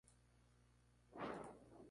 Nicolás Podestá fue el primer presidente.